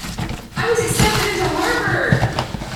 I was accepted into Harvard!